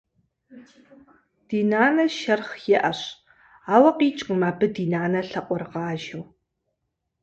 Ди нанэ шэрхъ иӏэщ, ауэ къикӏкъым абы, ди нанэ лъакъуэрыгъажэу.